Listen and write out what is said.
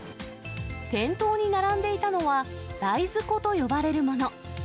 店頭に並んでいたのは、大豆粉と呼ばれるもの。